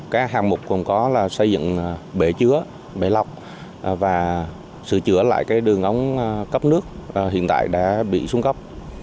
các hàng mục còn có là xây dựng bể chứa bể lọc và sửa chữa lại cái đường ống cấp nước hiện tại đã bị xuống cấp